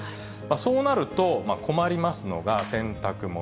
そうなると、困りますのが洗濯物。